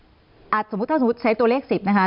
ถ้าสมมติใช้ตัวเลขสิบนะคะ